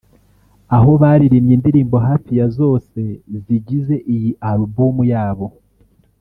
aho baririmbye indirimbo hafi ya zose zigize iyi album yabo